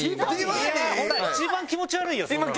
一番気持ち悪いよそれ。